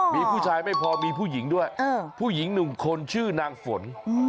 มีผู้ชายไม่พอมีผู้หญิงด้วยผู้หญิงหนึ่งคนชื่อนางฝน